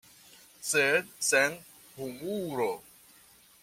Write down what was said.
Sed sen humuro.